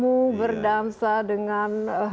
itu berdamsa dengan